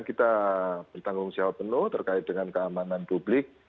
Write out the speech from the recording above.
kita bertanggung jawab penuh terkait dengan keamanan publik